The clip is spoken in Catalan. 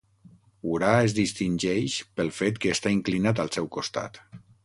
Urà es distingeix pel fet que està inclinat al seu costat.